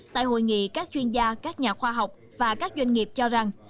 tại hội nghị các chuyên gia các nhà khoa học và các doanh nghiệp cho rằng